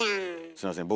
すいません